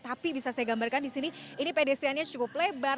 tapi bisa saya gambarkan di sini ini pedestriannya cukup lebar